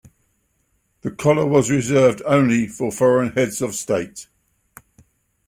The Collar was reserved only for foreign heads of state.